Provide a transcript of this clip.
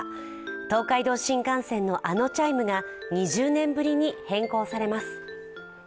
東海道新幹線のあのチャイムが２０年ぶりに変更されます。